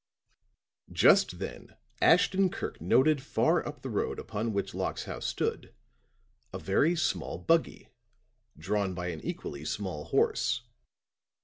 Just then Ashton Kirk noted far up the road upon which Locke's house stood, a very small buggy, drawn by an equally small horse.